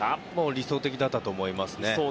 理想的だったと思います。